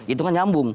itu kan nyambung